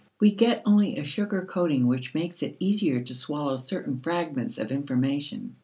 We get only a sugar coating which makes it easier to swallow certain fragments of information.